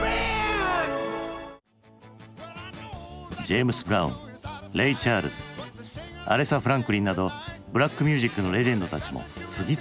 ジェームス・ブラウンレイ・チャールズアレサ・フランクリンなどブラックミュージックのレジェンドたちも次々に登場。